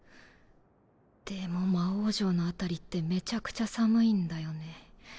でも魔王城の辺りってめちゃくちゃ寒いんだよね。